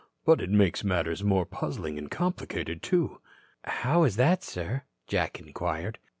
But it makes matters more puzzling and complicated, too." "How is that, sir?" Jack inquired.